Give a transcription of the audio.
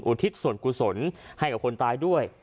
ทิศส่วนกุศลให้กับคนตายด้วย